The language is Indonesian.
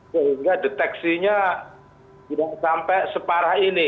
sehingga deteksinya tidak sampai separah ini